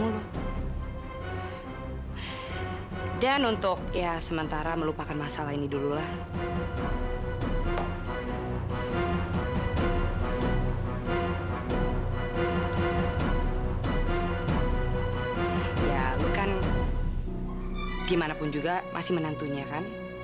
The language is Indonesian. dan juga untuk selalu memberikan alih kekuatan kepada anda